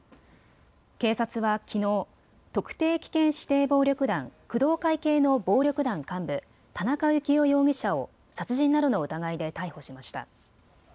警察はきのう特定危険指定暴力団工藤会系の暴力団幹部田中幸雄容疑者を殺人などの疑いで逮捕しました。